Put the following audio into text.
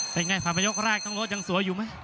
เป็นไงภาพย้ายกแรกทั้งโรสยังสวยอยู่ไหม